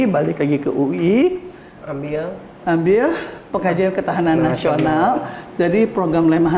balik lagi ke ui ambil ambil pengajian ketahanan nasional jadi program lemah